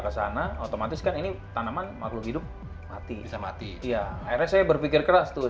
kesana otomatis kan ini tanaman makhluk hidup mati bisa mati ya akhirnya saya berpikir keras tuh